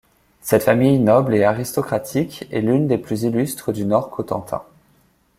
Cette famille noble et aristocratique est l'une des plus illustres du Nord Cotentin.